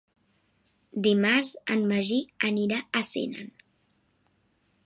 Dimarts en Magí anirà a Senan.